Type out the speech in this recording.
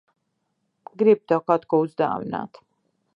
Gribu tev kaut ko uzdāvināt.